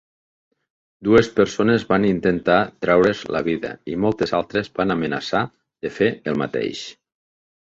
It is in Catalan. Dues persones van intentar treure's la vida i moltes altres van amenaçar de fer el mateix.